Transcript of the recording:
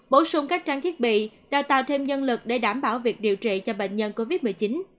bổ sung các trang thiết bị đào tạo thêm nhân lực để đảm bảo việc điều trị cho bệnh nhân covid một mươi chín